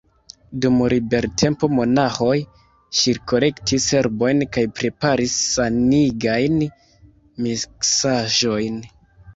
Dum libertempo monaĥoj ŝirkolektis herbojn kaj preparis sanigajn miksaĵojn.